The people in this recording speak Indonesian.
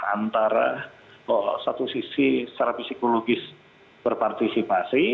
antara satu sisi secara psikologis berpartisipasi